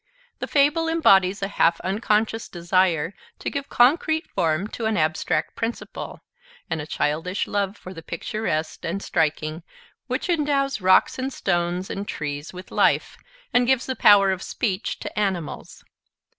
The Fable embodies a half unconscious desire to give concrete form to an abstract principle, and a childish love for the picturesque and striking, which endows rocks and stones and trees with life, and gives the power of speech to animals.